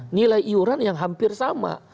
nilai iuran yang hampir sama